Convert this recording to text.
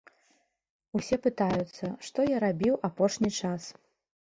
Усе пытаюцца, што я рабіў апошні час.